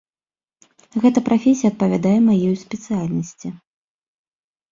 Гэта прафесія адпавядае маёй спецыяльнасці.